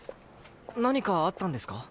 何かあったんですか？